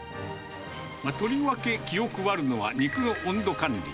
とりわけ気を配るのは、肉の温度管理。